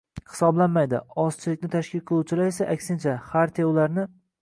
hisoblamaydi, ozchilikni tashkil qiluvchilari esa - aksincha, Xartiya ularni